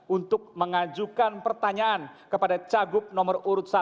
untuk mengajukan pertanyaan kepada cagup nomor urut satu